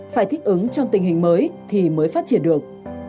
phải thích ứng trong tình hình mới thì mới phát triển được